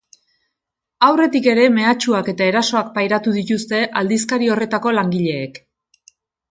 Aurretik ere mehatxuak eta erasoak pairatu dituzte aldizkari horretako langileek.